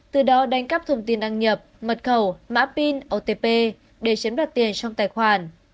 từ đó đánh cắp thông tin đăng nhập mật khẩu mã pin otp để chiếm đoạt tiền trong tài khoản